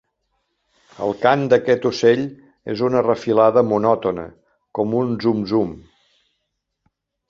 El cant d'aquest ocell és una refilada monòtona com un zum-zum.